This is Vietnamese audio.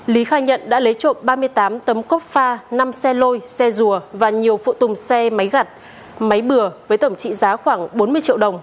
lý khai nhận đã lấy trộm ba mươi tám tấm cốc pha năm xe lôi xe rùa và nhiều phụ tùng xe máy gặt máy bừa với tổng trị giá khoảng bốn mươi triệu đồng